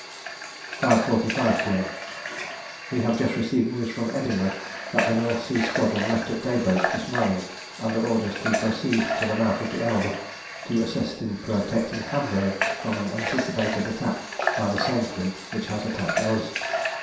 5.45 P.M. We have just received news from Edinburgh that the North Sea Squadron left at daybreak this morning under orders to proceed to the mouth of the Elbe to assist in protecting Hamburg from an anticipated attack by the same fleet which has attacked us.